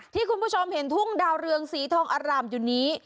ที่คุณผู้ชมเห็นทุ่งดาวเรืองสีทองอร่ามอยู่นี้